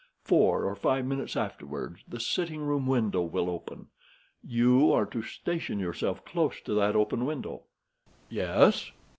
Four or five minutes afterwards the sitting room window will open. You are to station yourself close to that open window." "Yes."